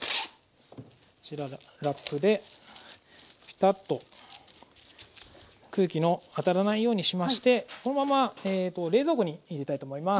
こちらがラップでピタッと空気の当たらないようにしましてこのまま冷蔵庫に入れたいと思います。